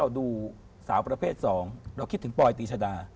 ถ้าสมมุติว่าเรามีเรามีสาวประเภท๒เราคิดถึงปลอยตีษฎา